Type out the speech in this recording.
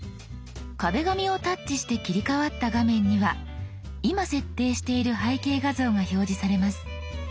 「壁紙」をタッチして切り替わった画面には今設定している背景画像が表示されます。